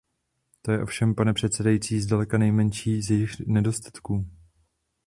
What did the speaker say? To je ovšem, pane předsedající, zdaleka nejmenší z jejích nedostatků!